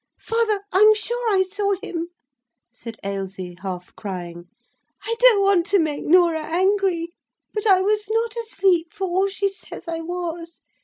"Father! I'm sure I saw him," said Ailsie, half crying. "I don't want to make Norah angry; but I was not asleep, for all she says I was.